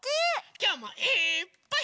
きょうもいっぱい。